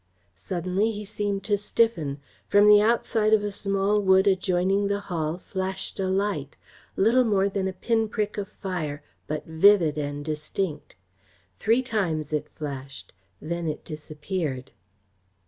Suddenly he seemed to stiffen. From the outside of a small wood adjoining the Hall flashed a light little more than a pin prick of fire, but vivid and distinct. Three times it flashed. Then it disappeared.